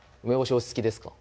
お好きですか？